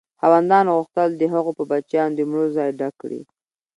خاوندانو غوښتل د هغو په بچیانو د مړو ځای ډک کړي.